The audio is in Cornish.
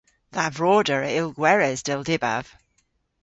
Dha vroder a yll gweres, dell dybav.